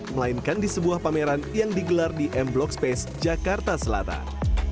melainkan di sebuah pameran yang digelar di m block space jakarta selatan